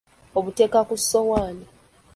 Abuteeka ku ssowaani.